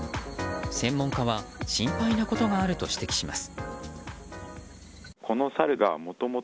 専門家は心配なことがあると指摘します。